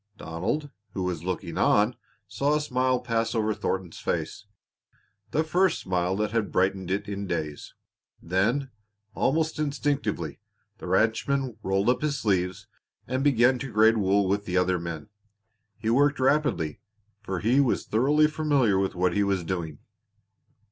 Donald, who was looking on, saw a smile pass over Thornton's face the first smile that had brightened it in days. Then, almost instinctively, the ranchman rolled up his sleeves and began to grade wool with the other men. He worked rapidly, for he was thoroughly familiar with what he was doing.